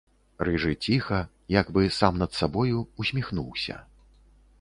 Рыжы ціха, як бы сам над сабою, усміхнуўся.